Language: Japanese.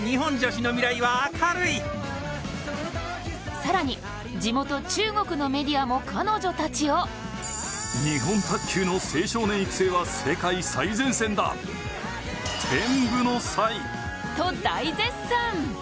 更に地元・中国のメディアも彼女たちをと大絶賛。